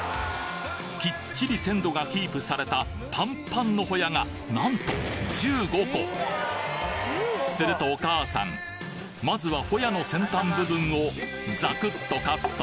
きっちり鮮度がキープされたパンッパンのホヤがなんとするとお母さんまずはホヤの先端部分をザクッとカット！